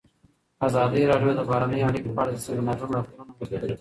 ازادي راډیو د بهرنۍ اړیکې په اړه د سیمینارونو راپورونه ورکړي.